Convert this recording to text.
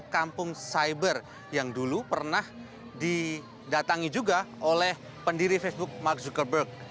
kampung cyber yang dulu pernah didatangi juga oleh pendiri facebook mark zuckerberg